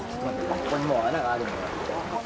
ここにもう穴があるんで。